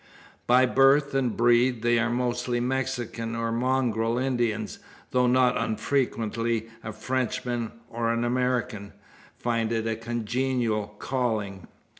By birth and breed they are mostly Mexicans, or mongrel Indians; though, not unfrequently, a Frenchman, or American, finds it a congenial calling.